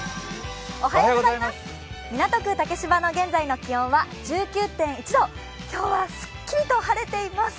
港区竹芝の現在の気温は１９．１度、今日はすっきりと晴れています。